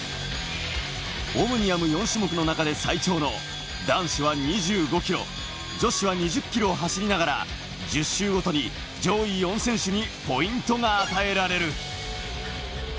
オムニアム４種目の中で最長の男子は２５ｋｍ、女子は２０ｋｍ走りながら１０周ごとに上位４選手にポイントが与えられる。